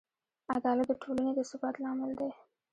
عدالت د ټولنې د ثبات لامل دی.